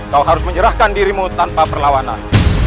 kau harus menyerahkan dirimu tanpa perlawanan